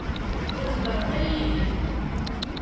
Ur heddṛet ara yid-i.